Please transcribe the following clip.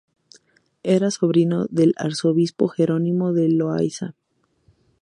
Era sobrino del arzobispo Jerónimo de Loayza.